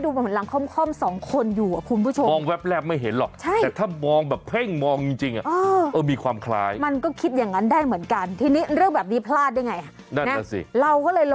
ดูแล้วทั้งหมดทั้งมวล